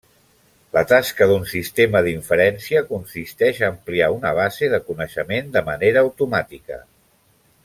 La tasca d'un sistema d'inferència consisteix a ampliar un base de coneixement de manera automàtica.